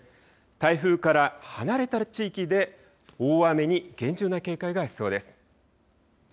台風から離れた地域で大雨に厳重な警戒が必要です。